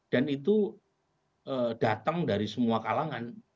dan itu datang dari semua kalangan